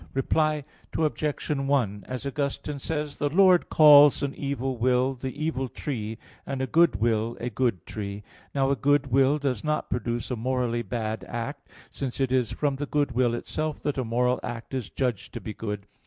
Reply Obj. 1: As Augustine says (Contra Julian. i): "The Lord calls an evil will the evil tree, and a good will a good tree." Now, a good will does not produce a morally bad act, since it is from the good will itself that a moral act is judged to be good.